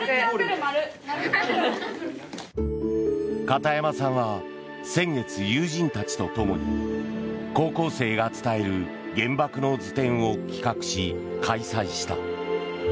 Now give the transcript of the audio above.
片山さんは先月友人たちと共に「高校生が伝える原爆の図展」を企画し、開催した。